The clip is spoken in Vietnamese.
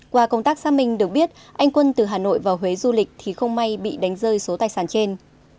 qua công tác xác minh được biết anh quân từ hà nội vào huế du lịch thì không may bị đánh rơi số tài sản trên